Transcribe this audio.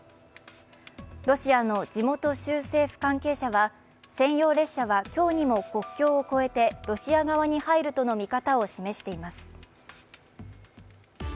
ロシアの地元州政府関係者は専用列車は今日にも国境を越えてロシア側に入るとの見方を示しています。